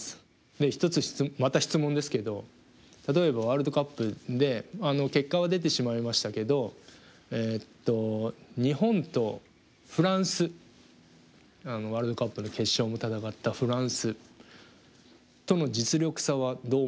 で１つ質問また質問ですけど例えばワールドカップで結果は出てしまいましたけど日本とフランスワールドカップの決勝も戦ったフランスとの実力差はどう思いますか？